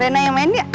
rena yang main ya